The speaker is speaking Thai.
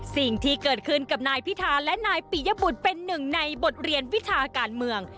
สิ่งที่เกิดขึ้นกับนายพิธาและนายปิยบุตรเป็นหนึ่งในบทเรียนวิชาการเมือง